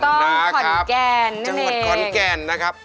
จังหวัดขอนแก่นนะครับ